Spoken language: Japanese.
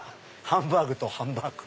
「ハンバーグとハンバーグ」。